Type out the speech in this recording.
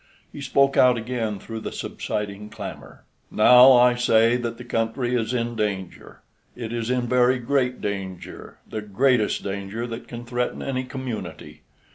He spoke out again through the subsiding clamor. "Now I say that the country is in danger. It is in very great danger, the greatest danger that can threaten any community.